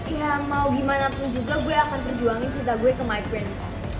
iya mau gimana pun juga gue akan terjuangin cerita gue ke my prince